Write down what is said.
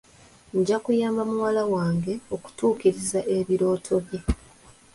Nja kuyamba muwala wange okutuukiriza ebirooto bye.